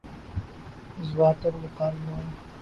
جذبات اور مکالموں